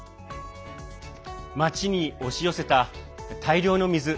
町に押し寄せた大量の水。